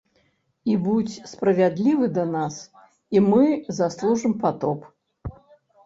І будзь справядлівы да нас, і мы заслужым патоп.